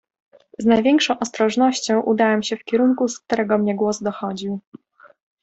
"Z największą ostrożnością udałem się w kierunku, z którego mnie głos dochodził."